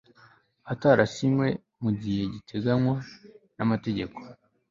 atarasinywe mu gihe giteganywa n amategeko